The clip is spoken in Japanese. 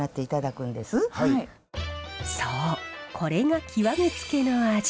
そうこれが極め付けの味。